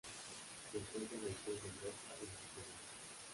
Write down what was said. Se encuentra en el sur de Europa y Norte de África.